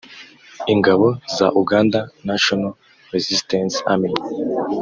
ingabo za uganda, national resistance army